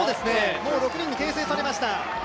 もう６人に形成されました。